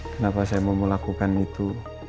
kenapa saya mau melakukan itu